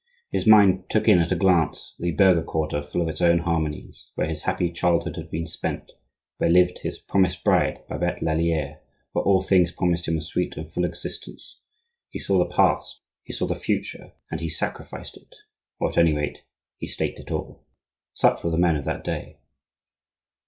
His mind took in, at a glance, the burgher quarter full of its own harmonies, where his happy childhood had been spent, where lived his promised bride, Babette Lallier, where all things promised him a sweet and full existence; he saw the past; he saw the future, and he sacrificed it, or, at any rate, he staked it all. Such were the men of that day.